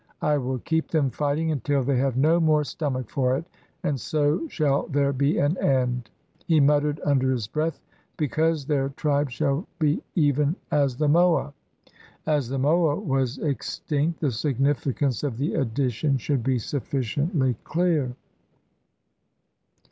I will keep them fighting until they have no more stom ach for it, and so shall there be an end." He muttered imder his breath, "Because their tribes shall be even as the moa." As the moa was extinct, the significance of the addition should be sufficiently clear.